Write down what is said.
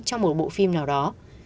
trong một bộ phim nào đó